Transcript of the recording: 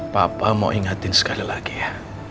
papa mau ingetin sekali lagi ya